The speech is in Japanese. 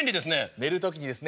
寝る時にですね